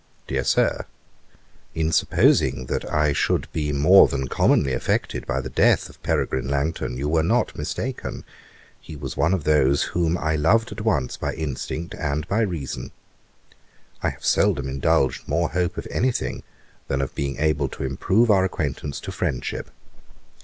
'DEAR SIR, 'In supposing that I should be more than commonly affected by the death of Peregrine Langton, you were not mistaken; he was one of those whom I loved at once by instinct and by reason. I have seldom indulged more hope of any thing than of being able to improve our acquaintance to friendship.